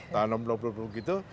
tanam blub blub gitu